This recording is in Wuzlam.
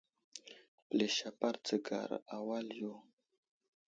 Pəlis apar dzəgar wal yo.